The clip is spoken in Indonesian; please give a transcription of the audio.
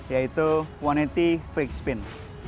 yaitu satu ratus delapan puluh fake spin